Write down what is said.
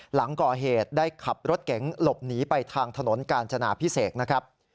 หลังก่อเหตุได้ขับรถเก๋งหลบหนีไปทางถนนกาญจนาพิเศษนะครับ